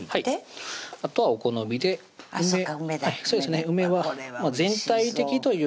あとはお好みで梅そうか梅だそうですね